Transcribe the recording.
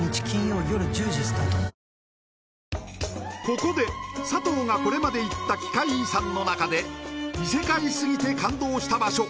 ここで佐藤がこれまで行った奇界遺産の中で異世界すぎて感動した場所